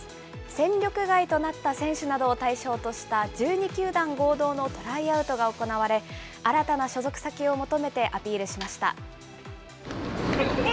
戦力外となった選手などを対象とした１２球団合同のトライアウトが行われ、新たな所属先を求めてアピールしました。